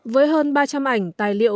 với hơn ba trăm linh ảnh tài liệu